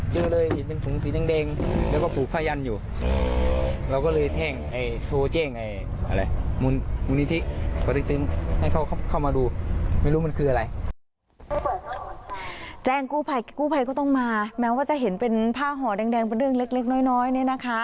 แจ้งกู้ไผ่กู้ไผ่ก็ต้องมาแม้ว่าจะเห็นเป็นผ้าหอแดงแดงบันเงินเล็กเล็กน้อยน้อยนี่นะคะ